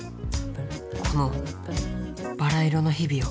このバラ色の日々を。